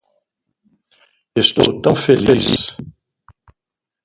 Estou tão feliz